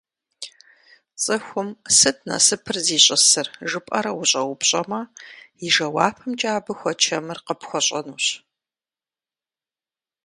Цӏыхум «сыт насыпыр зищӏысыр?» жыпӏэрэ ущӏэупщӏэмэ, и жэуапымкӏэ абы хуэчэмыр къыпхуэщӏэнущ.